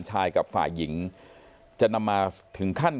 ใช้วัดรวมกันใช้ปราชารวมกัน